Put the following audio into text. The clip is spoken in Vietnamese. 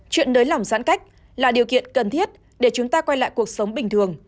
chuyện nới lỏng giãn cách là điều kiện cần thiết để chúng ta quay lại cuộc sống bình thường